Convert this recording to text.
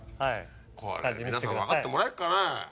これ皆さん分かってもらえるかね？